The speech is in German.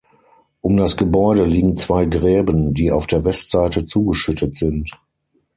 Um das Gebäude liegen zwei Gräben, die auf der Westseite zugeschüttet sind.